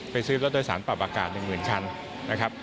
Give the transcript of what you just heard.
ไปซื้อรถโดยสารปรับปราการหนึ่งหมื่นชั้นนะครับ